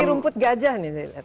ini rumput gajah nih saya lihat